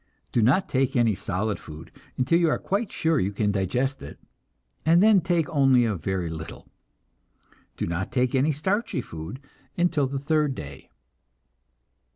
Do not take any solid food until you are quite sure you can digest it, and then take only a very little. Do not take any starchy food until the third day.